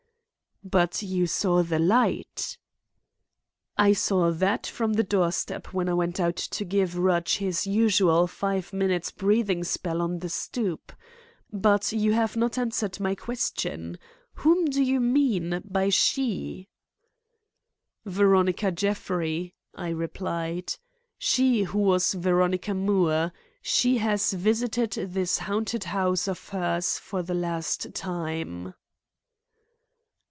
"But you saw the light?" I suggested. "I saw that from the door step when I went out to give Rudge his usual five minutes' breathing spell on the stoop. But you have not answered my question; whom do you mean by she?" "Veronica Jeffrey," I replied. "She who was Veronica Moore. She has visited this haunted house of hers for the last time."